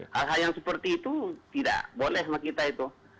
hal hal yang seperti itu tidak boleh sama kita itu